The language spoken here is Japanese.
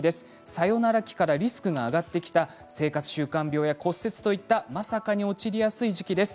サヨナラ期からリスクが上がってきた生活習慣病や骨折といったまさかに陥りやすい時期です。